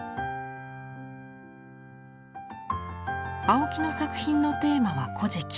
青木の作品のテーマは「古事記」。